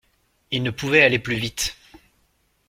Il ne pouvait aller plus vite...